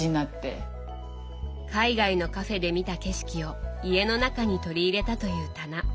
海外のカフェで見た景色を家の中に取り入れたという棚